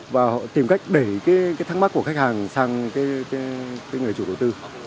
và họ tìm cách để cái thắc mắc của khách hàng sang cái người chủ đầu tư